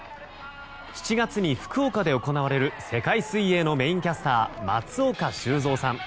７月に福岡で行われる世界水泳のメインキャスター松岡修造さん